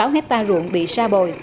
sáu hectare ruộng bị sa bồi